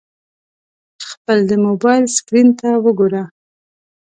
خپل د موبایل سکرین ته وګوره !